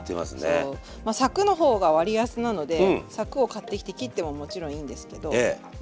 そうまあさくの方が割安なのでさくを買ってきて切ってももちろんいいんですけどま